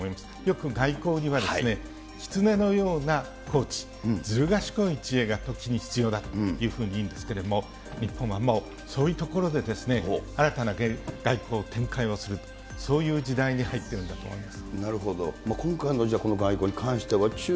よく外交にはきつねのようなずるがしこい知恵が時に必要だというふうに言うんですけれども、日本はもうそういうところで新たな外交展開をする、そういう時代に入ってるんだと思います。